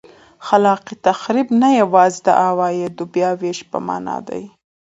خلاق تخریب نه یوازې د عوایدو بیا وېش په معنا ده.